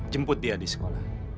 jemput dia di sekolah